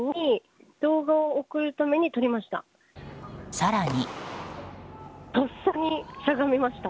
更に。